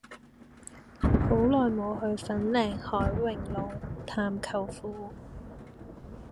好耐無去粉嶺凱榮路探舅父